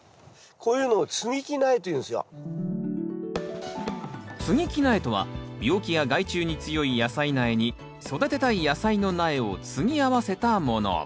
こういうのをつぎ木苗とは病気や害虫に強い野菜苗に育てたい野菜の苗をつぎ合わせたもの。